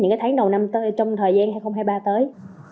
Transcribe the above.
những tháng đầu năm tới trong thời gian hai nghìn hai mươi ba tới